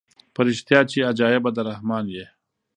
په ریشتیا چي عجایبه د رحمان یې